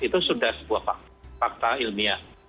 itu sudah sebuah fakta ilmiah